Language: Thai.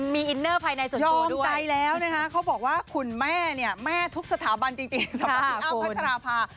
มีอินเนอร์ภายในส่วนรวมใจแล้วนะคะเขาบอกว่าคุณแม่เนี่ยแม่ทุกสถาบันจริงสำหรับคุณอ้ำพัชราภา